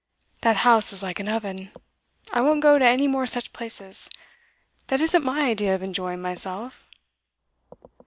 'That house was like an oven. I won't go to any more such places. That isn't my idea of enjoying myself.